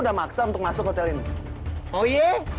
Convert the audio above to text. lepasin pak randy